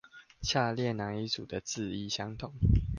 下列那一組的字義相同？